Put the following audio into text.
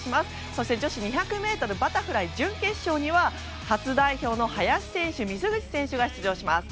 そして女子２００ｍバタフライ準決勝には初代表の林選手、水口選手が出場します。